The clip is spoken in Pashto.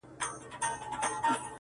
وای هسې نه چي تا له خوبه و نه باسم!